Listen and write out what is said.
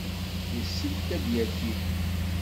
Yessefk ad d-yaki.